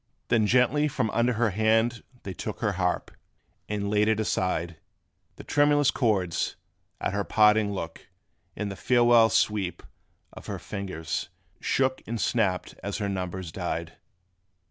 Then gently from under her hand they took Her harp, and laid it aside: The tremulous chords, at her parting look And the farewell sweep of her fingers, shook, And snapped as her numbers died.